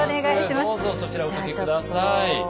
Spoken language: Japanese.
どうぞそちらおかけ下さい。